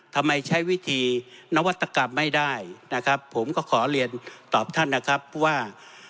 ทำไมใช้วิธีนวัตกรรมไม่ได้ผมก็ขอเรียนตอบท่านว่า